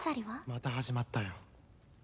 また始まったよ∈